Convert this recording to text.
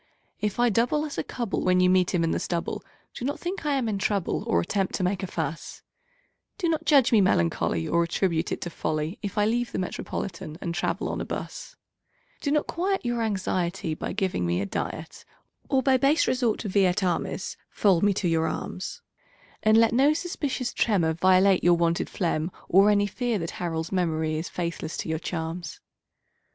If I double as a cub'll when you meet him in the stubble, Do not think I am in trouble or at tempt to make a fuss ; Do not judge me melancholy or at tribute it to folly If I leave the Metropolitan and travel 'n a bus Do not quiet your anxiety by giving me a diet, Or by base resort to vi et armis fold me to your arms, And let no suspicious tremor violate your wonted phlegm or Any fear that Harold's memory is faithless to your charms.